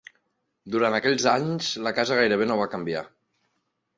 Durant aquells anys, la casa gairebé no va canviar.